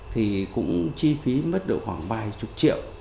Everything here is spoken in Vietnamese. thì cũng chi phí mất được khoảng vài chục triệu